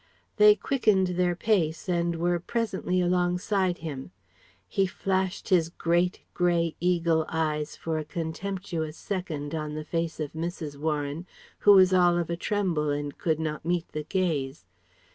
They quickened their pace and were presently alongside him. He flashed his great, grey eagle eyes for a contemptuous second on the face of Mrs. Warren, who was all of a tremble and could not meet the gaze.